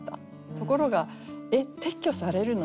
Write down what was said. ところが「えっ撤去されるの？